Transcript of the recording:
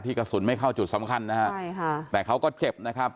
ที่กระสุนไม่เข้าจุดสำคัญแต่เขาก็เจ็บนะครับ